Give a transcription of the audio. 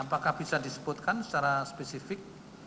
apakah bisa disebutkan secara spesifik